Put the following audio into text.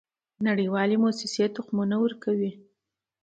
نړیوالې موسسې تخمونه ورکوي.